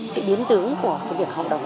cái biến tướng của cái việc học đồng